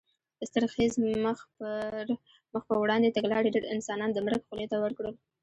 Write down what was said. ستر خېز مخ په وړاندې تګلارې ډېر انسانان د مرګ خولې ته ور کړل.